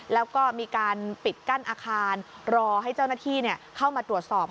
แล้วก็มีการปิดกั้นอาคารรอให้เจ้าหน้าที่เข้ามาตรวจสอบ